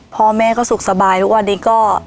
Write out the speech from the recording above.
พ่อแม่ก็สุขสบายทุกวันนี้ก็